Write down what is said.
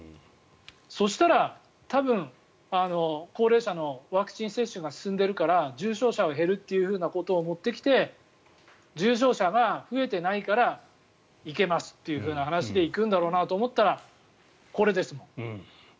そしたら、多分高齢者のワクチン接種が進んでいるから重症者は減るということを持ってきて重症者が増えていないからいけますというふうな話で行くんだろうなと思ったらこれですもん。